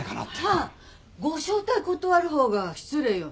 あらご招待断る方が失礼よ。